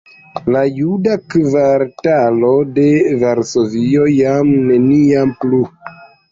La juda kvartalo de Varsovio jam neniam plu!